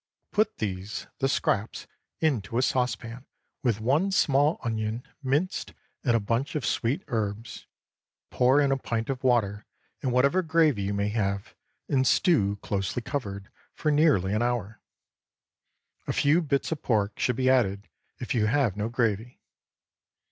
Put these—the scraps—into a saucepan, with one small onion, minced, and a bunch of sweet herbs; pour in a pint of water, and whatever gravy you may have, and stew, closely covered, for nearly an hour. A few bits of pork should be added if you have no gravy.